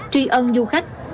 tri ân du khách